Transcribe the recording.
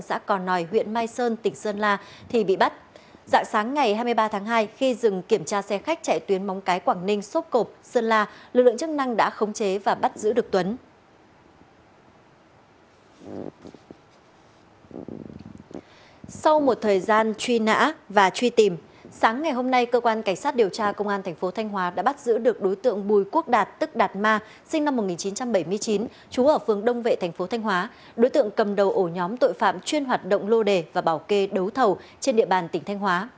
sau một thời gian truy nã và truy tìm sáng ngày hôm nay cơ quan cảnh sát điều tra công an tp thanh hóa đã bắt giữ được đối tượng bùi quốc đạt tức đạt ma sinh năm một nghìn chín trăm bảy mươi chín trú ở phương đông vệ tp thanh hóa đối tượng cầm đầu ổ nhóm tội phạm chuyên hoạt động lô đề và bảo kê đấu thầu trên địa bàn tỉnh thanh hóa